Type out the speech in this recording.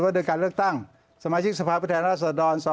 ว่าโดยการเลือกตั้งสมาชิกสภาพผู้แทนล่าสะดอน